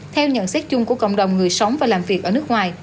theo nhận xét chung của cộng đồng người sống và làm việc ở nước ngoài